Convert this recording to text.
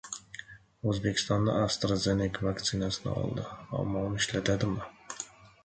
O‘zbekiston AstraZeneca vaktsinasini oldi, ammo uni ishlatadimi?